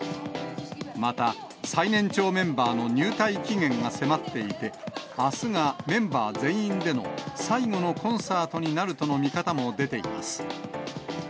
また、最年長メンバーの入隊期限が迫っていて、あすがメンバー全員での最後のコンサートになるとの見方も出ています。